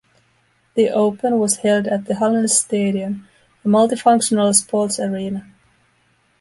The Open was held at the Hallenstadion, a multifunctional sports arena.